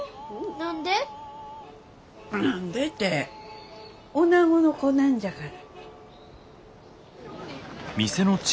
何でておなごの子なんじゃから。